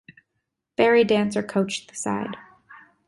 Barry Dancer coached the side.